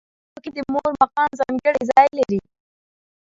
په لنډیو کې هم د مور مقام ځانګړی ځای لري.